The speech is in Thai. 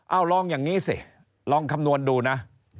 เอาลองอย่างนี้สิลองคำนวณดูนะ